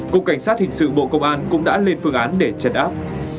cục cảnh sát hình sự bộ công an cũng đã lên phương án để chấn áp